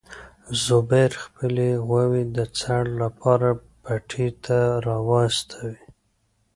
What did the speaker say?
زبیر خپلې غواوې د څړ لپاره پټي ته راوستې.